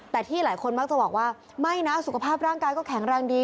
แต่ที่หลายคนมักจะบอกว่าไม่นะสุขภาพร่างกายก็แข็งแรงดี